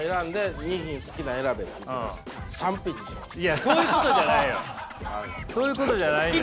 いやそういうことじゃないよ。